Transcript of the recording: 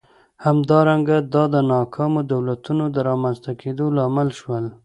همدارنګه دا د ناکامو دولتونو د رامنځته کېدو لامل شول.